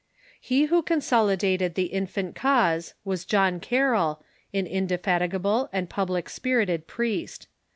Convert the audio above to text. He who consolidated the infant cause was John Carroll, an indefatigable and public spirited priest.